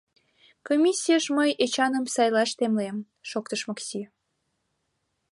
— Комиссийыш мый Эчаным сайлаш темлем! — шоктыш Макси.